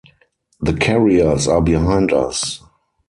The carriers are behind us.